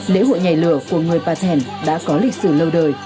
lễ hội nhảy lửa của người bà thẻn đã có lịch sử lâu đời